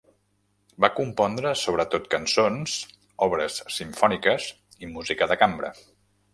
Va compondre sobretot cançons, obres simfòniques i música de cambra.